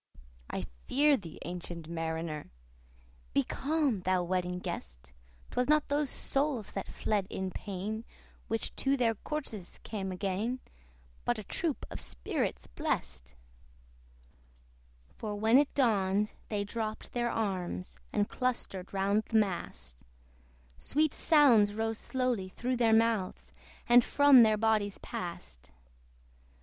"I fear thee, ancient Mariner!" Be calm, thou Wedding Guest! 'Twas not those souls that fled in pain, Which to their corses came again, But a troop of spirits blest: For when it dawned they dropped their arms, And clustered round the mast; Sweet sounds rose slowly through their mouths, And from their bodies passed.